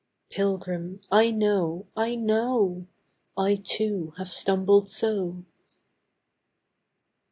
Pilgrim, I know, I know! I, too, have stumbled so.